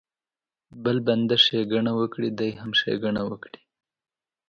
بل بنده ښېګڼه وکړي دی هم ښېګڼه وکړي.